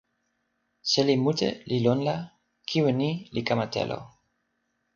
seli mute li lon la kiwen ni li kama telo.